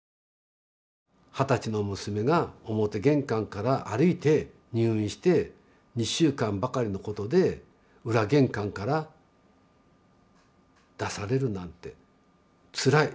二十歳の娘が表玄関から歩いて入院して２週間ばかりのことで裏玄関から出されるなんてつらい。